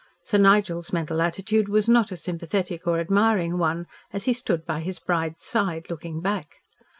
Sir Nigel's mental attitude was not a sympathetic or admiring one as he stood by his bride's side looking back.